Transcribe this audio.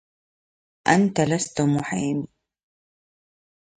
انا لست محامي